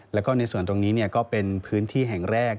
แล้วก็ในส่วนตรงนี้ก็เป็นพื้นที่แห่งแรก